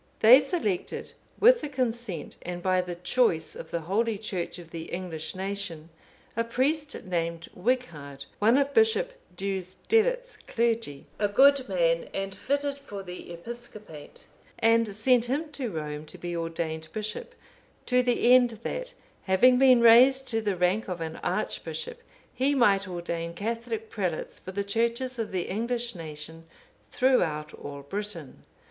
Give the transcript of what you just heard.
They selected, with the consent and by the choice of the holy Church of the English nation, a priest named Wighard,(500) one of Bishop Deusdedit's clergy, a good man and fitted for the episcopate, and sent him to Rome to be ordained bishop, to the end that, having been raised to the rank of an archbishop, he might ordain Catholic prelates for the Churches of the English nation throughout all Britain.